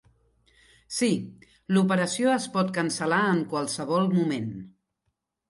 Sí, l'operació es pot cancel·lar en qualsevol moment.